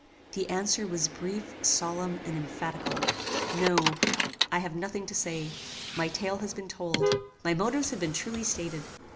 The answer was brief, solemn, and emphatical. "No. I have nothing to say. My tale has been told. My motives have been truly stated.